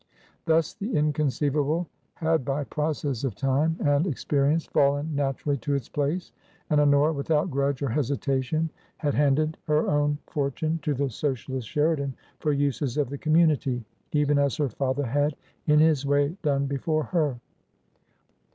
Thus the inconceivable had by process of time and experience fallen naturally to its place, and Honora, without grudge or hesitation, had handed her own for tune to the Socialist Sheridan for uses of the community — even as her father had, in his way, done before her.